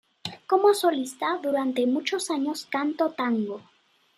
Como solista durante muchos años, cantó tango.